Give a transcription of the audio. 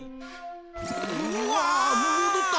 うわもどった！